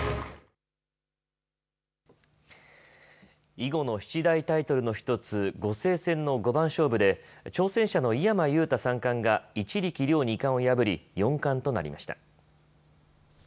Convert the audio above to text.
囲碁の七大タイトルの１つ、碁聖戦の五番勝負で挑戦者の井山裕太三冠が一力遼二冠を破り四冠となりました。